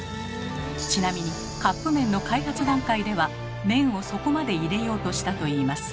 ちなみにカップ麺の開発段階では麺を底まで入れようとしたといいます。